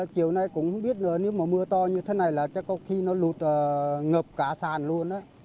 chiều nay cũng không biết nữa nếu mà mưa to như thế này là chắc có khi nó ngập cả sàn luôn